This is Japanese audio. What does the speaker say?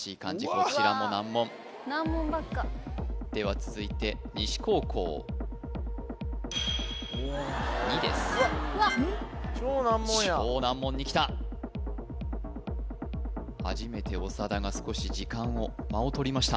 こちらも難問うわっ難問ばっかでは続いて西高校２です・うわっ超難問や超難問にきた初めて長田が少し時間を間を取りました